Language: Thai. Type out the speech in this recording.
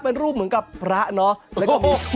เป็นรูปเหมือนกับพระเนอะ